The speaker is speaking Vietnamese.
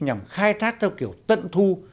nhằm khai thác theo kiểu tận thu